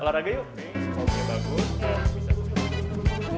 mbak mirsa bagus ya bisa bangun